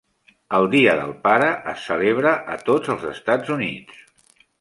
El dia del pare es celebra a tots els Estats Units.